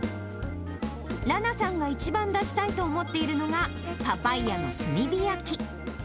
羅名さんが一番出したいと思っているのが、パパイヤの炭火焼き。